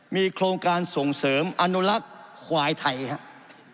มีโครงการส่งเสริมอนุรักษ์ควายไทยครับ